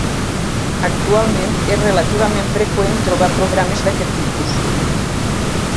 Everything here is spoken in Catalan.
Actualment és relativament freqüent trobar programes d'aquest tipus.